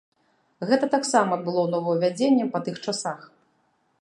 Гэта таксама было новаўвядзеннем па тых часах.